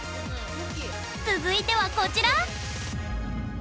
続いてはこちら！